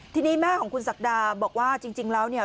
ทีนี้แม่ของคุณศักดาบอกว่าจริงแล้วเนี่ย